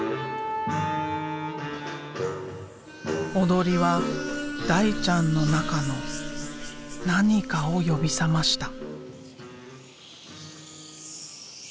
踊りは大ちゃんの中の何かを呼び覚ました。